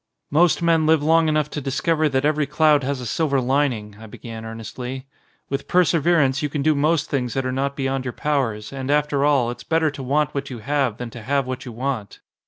"Most men live long enough to discover that every cloud has a silver lining," I began earnestly. 160 THE MISSIONARY LADY "With perseverance you can do most things that are not beyond your powers, and after all, it's better to want what you have than to have what you want."